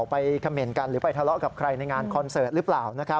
เขม่นกันหรือไปทะเลาะกับใครในงานคอนเสิร์ตหรือเปล่า